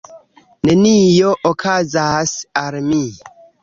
Nenio okazas al mi.